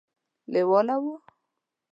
لېواله وو.